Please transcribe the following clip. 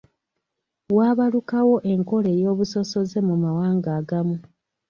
Waabalukawo enkola ey’obusosoze mu mawanga agamu.